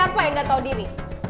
kamu tuh yang gak tau diri